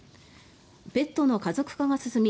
ペットの家族化が進み